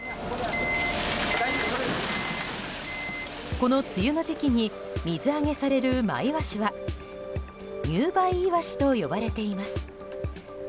この梅雨の時期に水揚げされるマイワシは入梅イワシと呼ばれています。